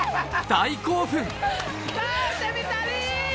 大興奮！